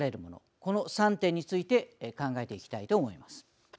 この３点について考えていきたいと思います。